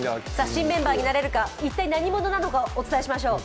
新メンバーになれるか一体、何者なのかお伝えしましょう。